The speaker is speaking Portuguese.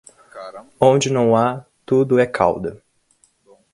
Onde não há, tudo é cauda.